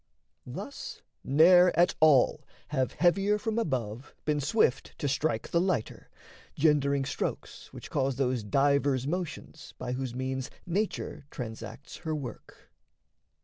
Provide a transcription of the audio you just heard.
Thus ne'er at all have heavier from above Been swift to strike the lighter, gendering strokes Which cause those divers motions, by whose means Nature transacts her work.